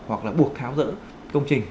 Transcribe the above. hoặc là buộc tháo dỡ công trình